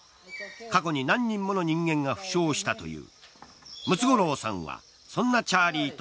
過去に何人もの人間が負傷したという。